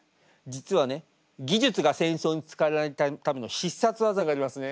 実はね技術が戦争に使われないための必殺技がありますね。